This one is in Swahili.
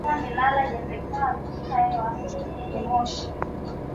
jukumu la wazee hii leo ni nini